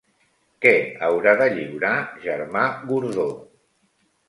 Què haurà de lliurar Germà Gordó?